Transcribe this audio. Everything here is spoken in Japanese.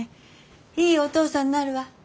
いいお父さんになるわ。